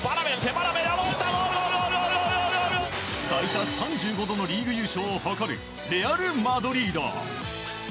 最多３５度のリーグ優勝を誇るレアル・マドリード。